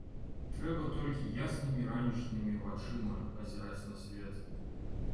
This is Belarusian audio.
Трэба толькі яснымі ранішнімі вачыма пазіраць на свет.